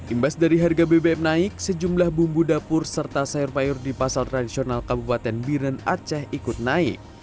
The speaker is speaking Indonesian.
imbas dari harga bbm naik sejumlah bumbu dapur serta sayur payur di pasar tradisional kabupaten biren aceh ikut naik